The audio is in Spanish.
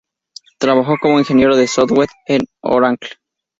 Trabajó como ingeniero de software en Oracle.